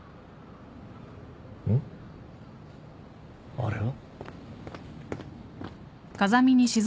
あれは？